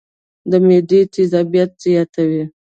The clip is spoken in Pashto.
د معدې تېزابيت زياتوي